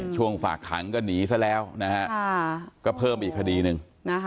ฝากขังก็หนีซะแล้วนะฮะก็เพิ่มอีกคดีหนึ่ง